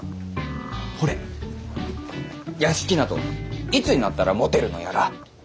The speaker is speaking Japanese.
ほれ屋敷などいつになったら持てるのやら。